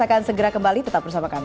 akan segera kembali tetap bersama kami